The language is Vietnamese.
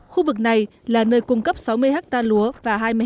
khu vực này là nơi cung cấp sáu mươi ha lúa và hai mươi ha hoa màu